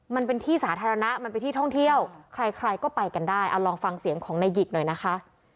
มันเป็นที่สาธารณะมันเป็นที่ท่องเที่ยวใครใครก็ไปกันได้เอาลองฟังเสียงของนายหยิกหน่อยนะคะ